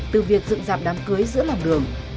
từ việc dựng dạp đám cưới giữa làm đường